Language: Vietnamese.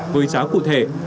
đối giá cụ thể